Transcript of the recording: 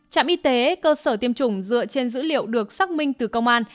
trạm y tế cơ sở tiêm chủng dựa trên dữ liệu được xác minh từ công an